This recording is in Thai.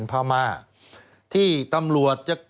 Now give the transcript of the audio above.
สวัสดีค่ะต้อนรับคุณบุษฎี